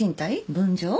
分譲？